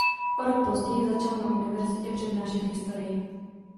O rok později začal na univerzitě přednášet historii.